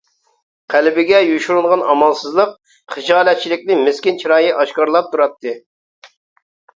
قەلبىگە يوشۇرۇنغان ئامالسىزلىق، خىجالەتچىلىكنى مىسكىن چىرايى ئاشكارىلاپ تۇراتتى.